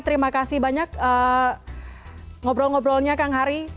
terima kasih banyak ngobrol ngobrolnya kang hari